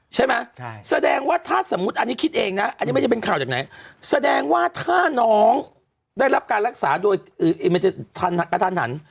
ใช่ไหมแสดงว่าถ้าสมมติอันนี้คิดเองนะแสดงว่าถ้าน้องได้รับการรักษาโดยทันทัน